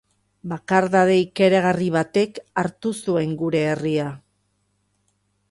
Bakardade ikaragarri batek hartu zuen gure herria.